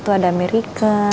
tuh ada amerika